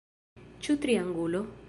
Ĉu triangulo?